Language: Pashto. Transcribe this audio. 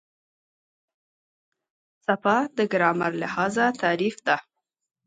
څپه د ګرامر لحاظه تعریف ده.